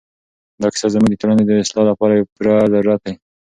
دا کیسه زموږ د ټولنې د اصلاح لپاره یو پوره ضرورت دی.